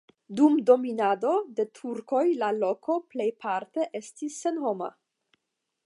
Dum dominado de turkoj la loko plejparte estis senhoma.